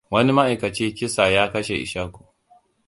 Wani ma'aikaci kisa ya kashe Ishaku.